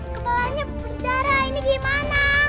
kepalanya bencana ini gimana